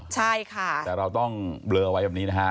แต่เราต้องเบลอไว้แบบนี้นะคะ